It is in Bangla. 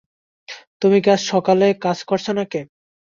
তুমি কি আজ সকালে কাজ করেছ নাকি?